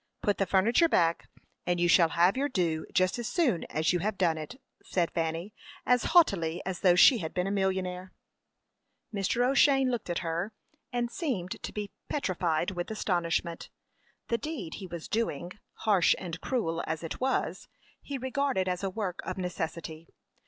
Put the furniture back, and you shall have your due just as soon as you have done it," said Fanny, as haughtily as though she had been a millionaire. Mr. O'Shane looked at her, and seemed to be petrified with astonishment. The deed he was doing, harsh and cruel as it was, he regarded as a work of necessity.